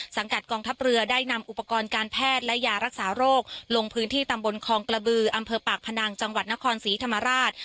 กัดกองทัพเรือได้นำอุปกรณ์การแพทย์และยารักษาโรคลงพื้นที่ตำบลคองกระบืออำเภอปากพนังจังหวัดนครศรีธรรมราช